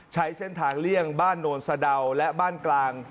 ใช้เส้นทางเลี่ยงบ้านโนนสะดาวและบ้านกลาง